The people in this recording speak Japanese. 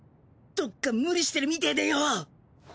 どっか無理してるみてぇでよ。